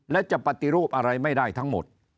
และจะปฏิรูปอะไรไม่ได้ทั้งหมด